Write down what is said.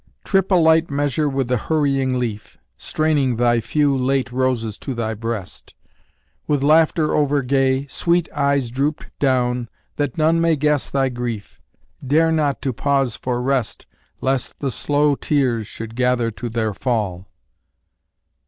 Trip a light measure with the hurrying leaf, Straining thy few late roses to thy breast: With laughter overgay, sweet eyes drooped down, That none may guess thy grief: Dare not to pause for rest Lest the slow tears should gather to their fall.